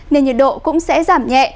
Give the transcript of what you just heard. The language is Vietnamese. nền nhiệt độ cũng sẽ giảm nhẹ